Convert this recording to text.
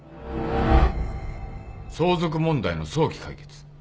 相続問題の早期解決。